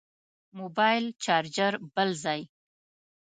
موبایل چارچر بل ځای.